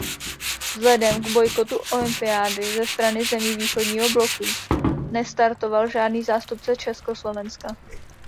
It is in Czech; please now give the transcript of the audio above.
Vzhledem k bojkotu olympiády ze strany zemí východního bloku nestartoval žádný zástupce Československa.